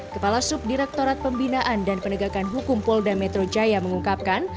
kepala subdirektorat pembinaan dan penegakan hukum polda metro jaya mengungkapkan